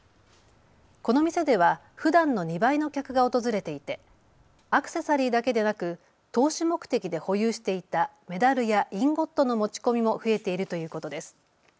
この店ではふだんの２倍の客が訪れていて、アクセサリーだけでなく投資目的で保有していたメダルやインゴットの持ち込みも増えているということです。